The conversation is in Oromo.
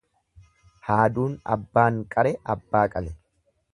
Haaduun abbaan qare abbaa qale.